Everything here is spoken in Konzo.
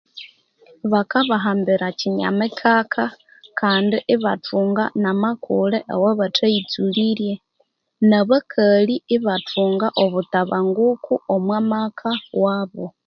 Baka bahambira kyinyamikaka kandi ibathunga n'amakule awa bathayitsulirye na bakali ibathunga obutabanguko omu maka wabu